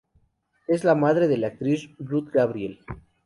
Es la madre de la actriz Ruth Gabriel.